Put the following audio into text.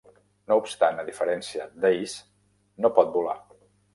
No obstant, a diferència d'Ace, no pot volar.